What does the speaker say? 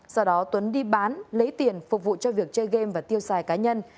sau đó tuấn đi bán lấy tiền phục vụ cho việc chơi game và tiêu xài cá nhân